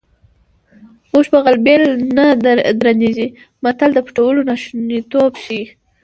اوښ په غلبېل نه درنېږي متل د پټولو ناشونیتوب ښيي